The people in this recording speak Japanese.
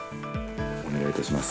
お願いいたします。